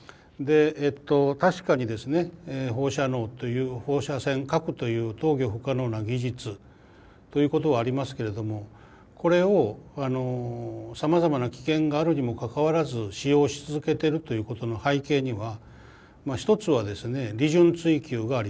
で確かにですね放射能という放射線・核という統御不可能な技術ということはありますけれどもこれをさまざまな危険があるにもかかわらず使用し続けてるということの背景には一つはですね利潤追求があります。